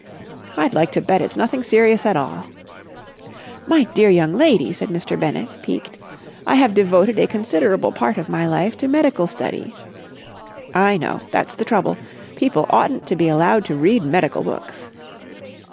"I'd like to bet it's nothing serious at all." "My dear young lady," said Mr. Bennett, piqued. "I have devoted a considerable part of my life to medical study...." "I know. That's the trouble. People oughtn't to be allowed to read medical books."